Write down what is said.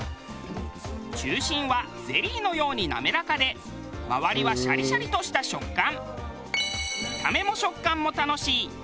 中心はゼリーのように滑らかで周りはシャリシャリとした食感。